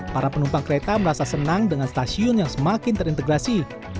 para penumpang kereta merasa senang dengan stasiun yang semakin terintegrasi